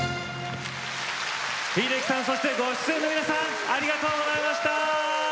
秀樹さんそしてご出演の皆さんありがとうございました！